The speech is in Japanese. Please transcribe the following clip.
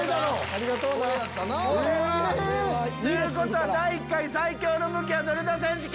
ありがとうな。ということは第１回「最強の武器はどれだ選手権」！